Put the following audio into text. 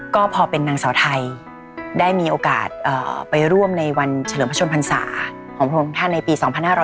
ก็พอเป็นนางสาวไทยได้มีโอกาสไปร่วมในวันเฉลิมพระชนพรรษาของพระองค์ท่านในปี๒๕๖๐